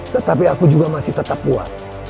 tetapi aku juga masih tetap puas